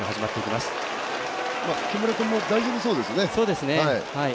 木村君も大丈夫そうですね。